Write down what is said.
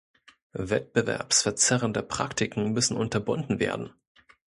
Wettbewerbsverzerrende Praktiken müssen unterbunden werden.